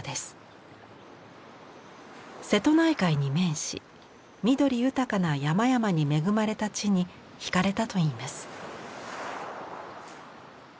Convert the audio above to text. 瀬戸内海に面し緑豊かな山々に恵まれた地に惹かれたといいます。